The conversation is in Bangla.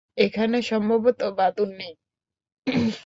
এখানে সম্ভবত বাদুড় নেই।